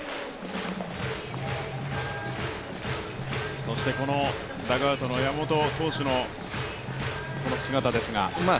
そしてこのダッグアウトの山本投手の姿ですが。